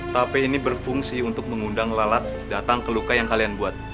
tapi ini berfungsi untuk mengundang lalat datang ke luka yang kalian buat